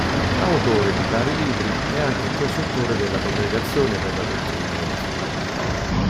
Autore di vari libri, è anche consultore della Congregazione per la Dottrina della Fede.